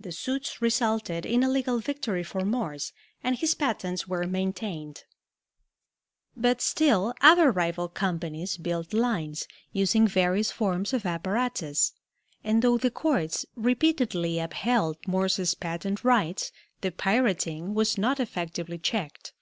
The suits resulted in a legal victory for Morse, and his patents were maintained. But still other rival companies built lines, using various forms of apparatus, and though the courts repeatedly upheld Morse's patent rights, the pirating was not effectively checked.